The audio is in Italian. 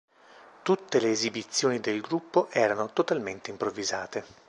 Tutte le esibizioni del gruppo erano totalmente improvvisate.